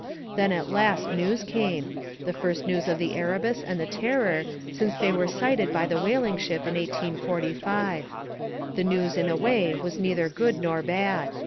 Then at last news came, the first news of the Erebus and the Terror since they were sighted by the whaling ship in 1845. The news in a way was neither good nor bad.